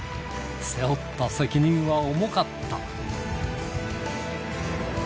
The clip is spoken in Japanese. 背負った責任は重かった。